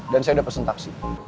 dan saya udah pesen taksi